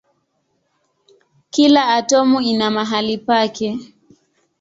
Kila atomu ina mahali pake.